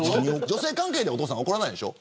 女性関係でお父さん怒らないでしょ。